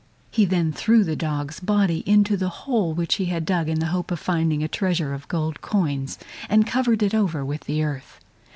He then threw the dog's body into the hole which he had dug in the hope of finding a treasure of gold coins, and covered it over with the earth.